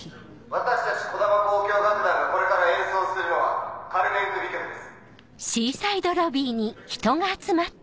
私たち児玉交響楽団がこれから演奏するのは『カルメン組曲』です。